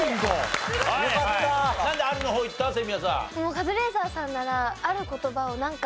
カズレーザーさんなら。